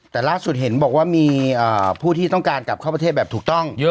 แต่ล่าสุดเห็นบอกว่ามีผู้ที่ต้องการกลับเข้าประเทศแบบถูกต้องเยอะ